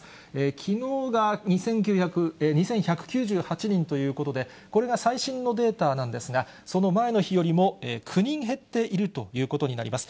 きのうが２１９８人ということで、これが最新のデータなんですが、その前の日よりも９人減っているということになります。